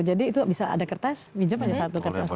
jadi itu bisa ada kertas bijep aja satu kertas